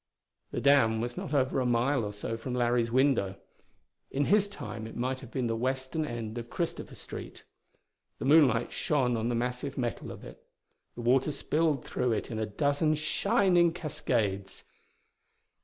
The dam was not over a mile or so from Larry's window; in his time it might have been the western end of Christopher Street. The moonlight shone on the massive metal of it: the water spilled through it in a dozen shining cascades.